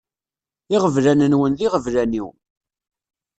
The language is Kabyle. Iɣeblan-nwen d iɣeblan-iw.